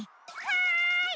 はい！